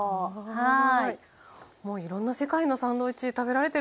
はい。